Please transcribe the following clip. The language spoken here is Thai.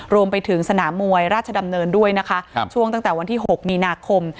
รวมไปถึงสนามมวยราชดำเนินด้วยนะคะช่วงตั้งแต่วันที่๖มีนาคม